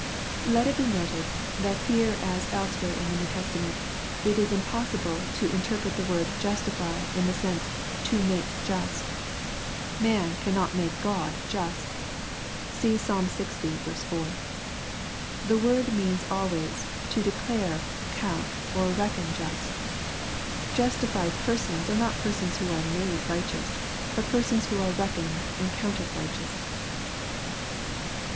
Let it be noted, that here as elsewhere in the New Testament, it is impossible to interpret the word "^iuatify" in the sense of ''* tc make just." Man cannot make Q^d i^at (See Ps. li. 4.) The word means always, " To declare, count or reckon just" " Justi fied " persons are not persons who are twide righteous, but persons who are reckoned and counted righteoioj.